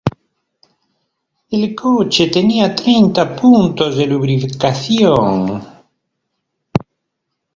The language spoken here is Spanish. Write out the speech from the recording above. El coche tenía treinta puntos de lubricación.